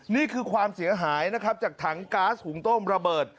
นี่คือความเสียหายนะครับจากถังก๊าซหุงต้มระเบิด